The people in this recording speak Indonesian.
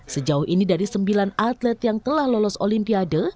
sejauh ini dari sembilan atlet yang telah lolos olimpiade